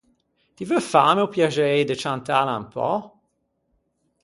Ti veu fâme o piaxei de ciantâla un pö?